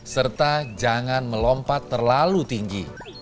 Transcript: serta jangan melompat terlalu tinggi